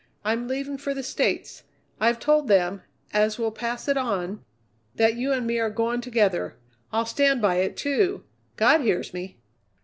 I'm leaving for the States. I've told them, as will pass it on, that you and me are going together. I'll stand by it, too, God hears me!"